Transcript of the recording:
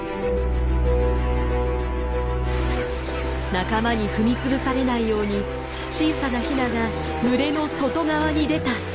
仲間に踏み潰されないように小さなヒナが群れの外側に出た。